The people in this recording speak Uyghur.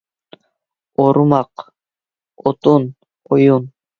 ئورماق، ئوتۇن، ئويۇن.